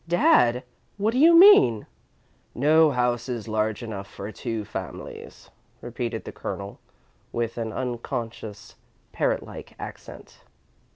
"Dad! What do you mean?" "No house is large enough for two families," repeated the Colonel, with an unconscious, parrot like accent.